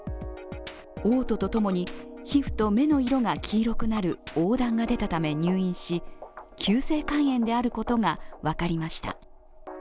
おう吐とともに、皮膚と目の色が黄色くなる黄だんが出たため入院し急性肝炎であることが分かりました。